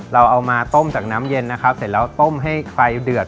เราเอามาต้มจากน้ำเย็นนะครับเสร็จแล้วต้มให้ไฟเดือด